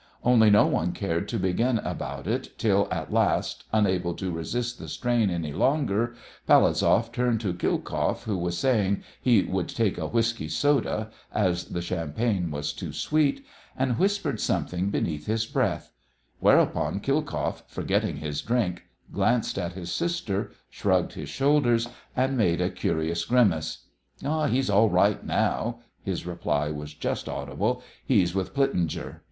Only no one cared to begin about it till at last, unable to resist the strain any longer, Palazov turned to Khilkoff, who was saying he would take a "whisky soda," as the champagne was too sweet, and whispered something beneath his breath; whereupon Khilkoff, forgetting his drink, glanced at his sister, shrugged his shoulders, and made a curious grimace. "He's all right now" his reply was just audible "he's with Plitzinger."